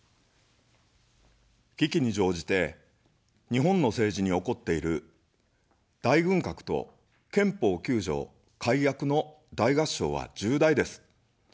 危機に乗じて、日本の政治に起こっている大軍拡と憲法９条改悪の大合唱は重大です。